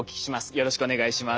よろしくお願いします。